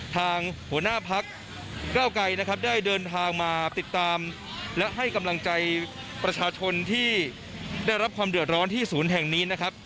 ทางหัวหน้าพักเก้าไกรนะครับได้เดินทางมาติดตามและให้กำลังใจประชาชนที่ได้รับความเดือดร้อนที่ศูนย์แห่งนี้นะครับ